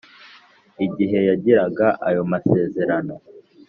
igihe yagiraga ayo masezerano